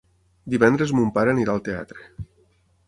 Divendres mon pare anirà al teatre.